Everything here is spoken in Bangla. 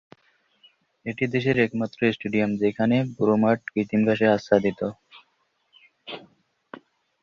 এটি দেশের একমাত্র স্টেডিয়াম যেখানে পুরো মাঠ কৃত্রিম ঘাসে আচ্ছাদিত।